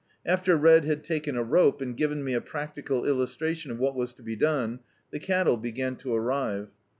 After Red had taken a rope, and given me a practical illustration of what was to be done, the cattle began to arrive.